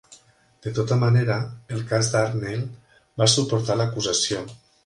De tota manera, al cas Darnell va suportar l'acusació.